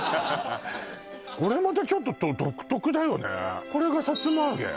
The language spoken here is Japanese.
これはまたちょっと独特だよねこれがさつま揚げ？